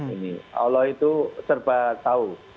ini allah itu serba tahu